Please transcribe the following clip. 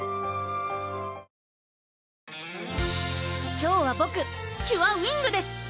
今日はボクキュアウィングです！